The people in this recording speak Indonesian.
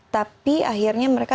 tapi akhirnya mereka